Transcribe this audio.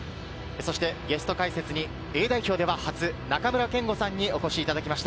そしてゲスト解説にＡ代表では初、中村憲剛さんにお越しいただきました。